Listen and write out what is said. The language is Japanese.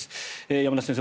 山田先生